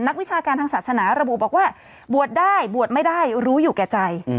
วิชาการทางศาสนาระบุบอกว่าบวชได้บวชไม่ได้รู้อยู่แก่ใจ